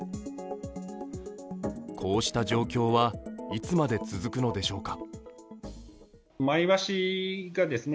こうした状況はいつまで続くのでしょうか。